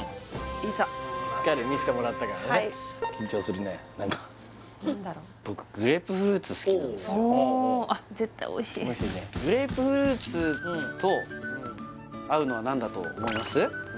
いざしっかり見せてもらったからね緊張するねなんか僕グレープフルーツ好きなんですよおお絶対おいしいおいしいねグレープフルーツと合うのは何だと思います？